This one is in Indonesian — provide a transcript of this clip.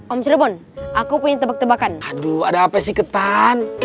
om serebon aku punya tebak tebakan aduh ada apa sih ke tabiknya